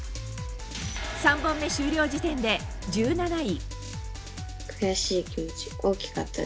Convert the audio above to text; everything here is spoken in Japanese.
３本目終了時点で１７位。